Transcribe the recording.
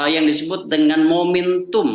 yang disebut dengan momentum